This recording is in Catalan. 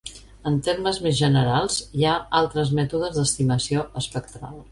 En termes més generals, hi ha altres mètodes d'estimació espectral.